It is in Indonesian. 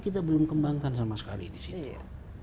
kita belum kembangkan sama sekali disitu